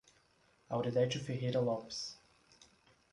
Auridete Ferreira Lopes